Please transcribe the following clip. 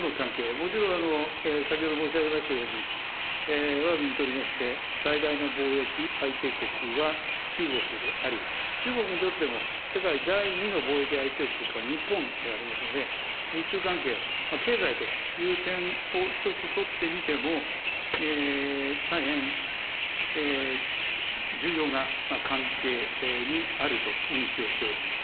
もちろん先ほど申し上げましたように、わが国にとりまして、最大の貿易相手国は中国であり、中国にとっても世界第２の貿易相手国は日本でありますので、日中関係、経済という点を一つ取って見ても、大変重要な関係にあると認識をしております。